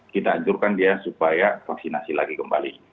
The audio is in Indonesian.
kita anjurkan dia supaya vaksinasi lagi kembali